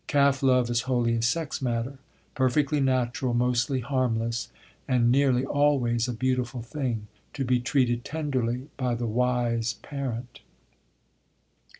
Calf love is wholly a sex matter, perfectly natural, mostly harmless, and nearly always a beautiful thing, to be treated tenderly by the wise parent.